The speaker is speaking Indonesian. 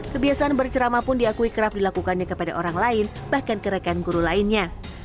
kebiasaan berceramah pun diakui kerap dilakukannya kepada orang lain bahkan kerekan guru lainnya